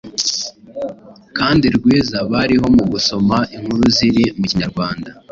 kandi rwiza bariho mu gusoma inkuru ziri mu Kinyarwanda